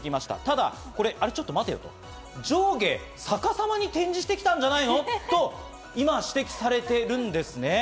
ただこれ、上下逆さまに展示してきたんじゃないの？と、今指摘されているんですね。